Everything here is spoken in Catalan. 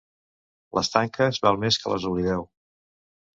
Les tanques val més que les oblideu.